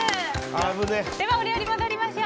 では、お料理に戻りましょう。